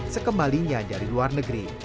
sekembalinya dari luar negeri